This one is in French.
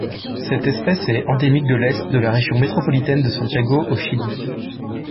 Cette espèce est endémique de l'Est de la région métropolitaine de Santiago au Chili.